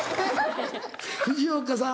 藤岡さん